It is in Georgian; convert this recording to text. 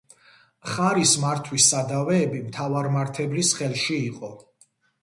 მხარის მართვის სადავეები მთავარმართებლის ხელში იყო.